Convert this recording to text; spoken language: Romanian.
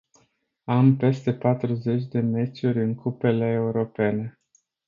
Am peste patruzeci de meciuri în cupele europene.